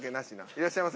いらっしゃいませ。